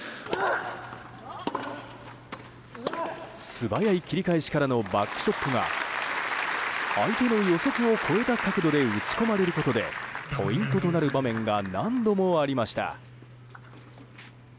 素早い切り返しからのバックショットが相手の予測を超えた角度で打ち込まれることでポイントとなる場面が何度もありました。